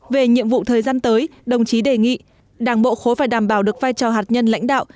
về nhiệm vụ thời gian tới đồng chí đề nghị đảng bộ khối phải đảm bảo được vai trò hạt nhân lãnh đạo